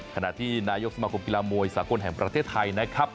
ขณะที่นายกสมาคมกีฬามวยสากลแห่งประเทศไทยนะครับ